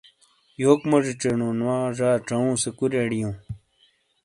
یوک موجی چھینون وا ژا چؤں سی کوری آڈیو ۔